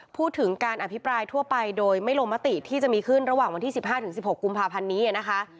พูดถึงการอภิปรายทั่วไปโดยไม่ลงมติที่จะมีขึ้นระหว่างวันที่๑๕๑๖กุมภาพันธ์นี้นะคะ